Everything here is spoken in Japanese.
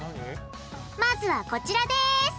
まずはこちらです！